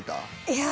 いや。